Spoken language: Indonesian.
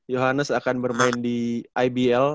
yohannes akan bermain di ibl